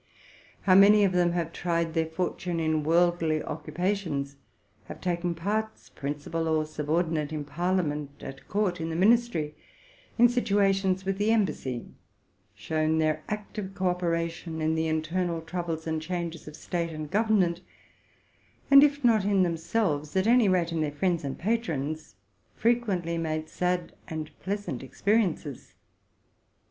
How many of them have tried their fortune in worldly occupations, have taken parts, principal or subordinate, in parliament, at court, in the ministry, in situations with the embassy, shown their active co operation in the internal troubles and changes of state and government, and, if not in themselves, at any rate in their friends and patrons, more frequently made sad than pleasant experiences!